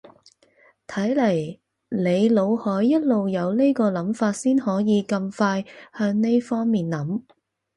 睇嚟你腦海一路有呢啲諗法先可以咁快向呢方面諗